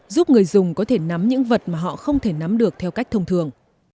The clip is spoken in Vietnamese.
giúp người dùng có thể nắm những vật mà họ không thể nắm được theo cách thông thường